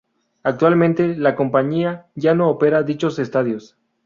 Actualmente, la compañía ya no opera dichos estadios.